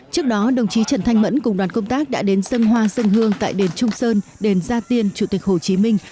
trước đó đồng chí trần thanh mẫn cùng đoàn công tác đã đến sân hoa sân hương tại đền trung sơn đền gia tiên chủ tịch hồ chí minh